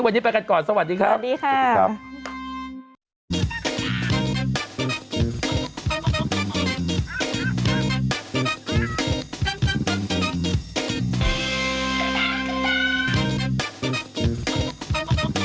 วันนี้ไปกันก่อนสวัสดีครับ